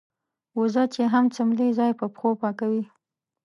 وزه چې هم څملې ځای په پښو پاکوي.